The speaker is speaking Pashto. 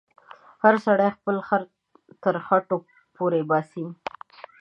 هر سړی خپل خر تر خټو پورې باسې.